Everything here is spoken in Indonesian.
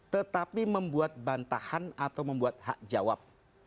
tetapi membuat bantahan atau membuat hak jawab